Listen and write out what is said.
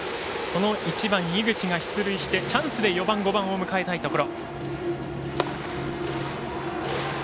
１番の井口が出塁してチャンスで４番、５番を迎えたいところ。